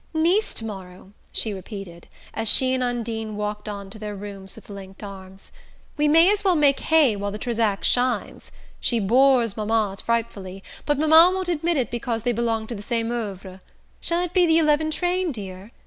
" Nice to morrow," she repeated, as she and Undine walked on to their rooms with linked arms. "We may as well make hay while the Trezac shines. She bores Mamma frightfully, but Mamma won't admit it because they belong to the same oeuvres. Shall it be the eleven train, dear?